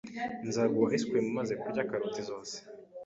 Nzaguha ice cream umaze kurya karoti zose.